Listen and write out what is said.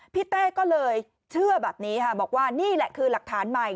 เต้ก็เลยเชื่อแบบนี้ค่ะบอกว่านี่แหละคือหลักฐานใหม่